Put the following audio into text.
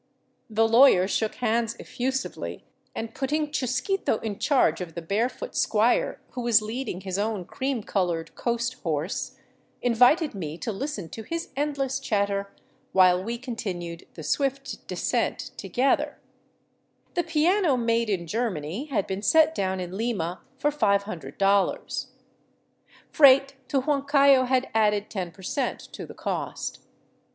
The lawyer shook hands effusively and, putting Chusquito in charge of the barefoot squire who was leading his own cream colored coast horse, invited me to listen to his endless chatter while we continued the swift descent together. 374 THE ROUTE OF THE CONQUISTADORES The piano, made in Germany, had been set down in Lima for $500. Freight to Huancayo had added ten percent, to the cost.